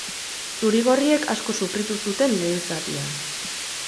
Zuri-gorriek asko sufritu zuten lehen zatian.